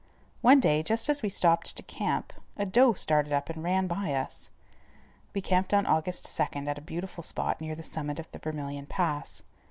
One day, just as we stopped to camp, a doe started up and ran by us. We camped on August 2nd at a beautiful spot near the summit of the Vermilion Pass.